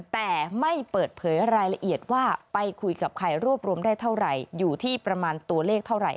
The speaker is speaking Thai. แต่ไม่เปิดเผยรายละเอียดว่าไปคุยกับใครรวบรวมได้เท่าไหร่อยู่ที่ประมาณตัวเลขเท่าไหร่